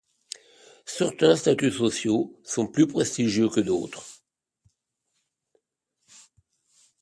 Certains statuts sociaux sont plus prestigieux que d'autres.